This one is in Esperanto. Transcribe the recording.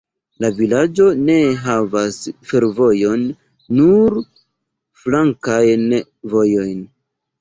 La vilaĝo ne havas fervojon, nur flankajn vojojn.